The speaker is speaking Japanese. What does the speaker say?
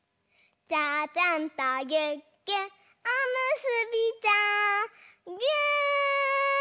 「ちゃちゃんとぎゅっぎゅっおむすびちゃん」ぎゅ！